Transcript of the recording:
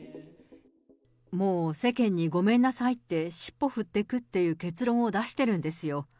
もう世間にごめんなさいって、尻尾振ってくっていう結論を出してるんですよ。